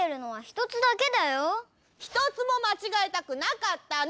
ひとつもまちがえたくなかったの！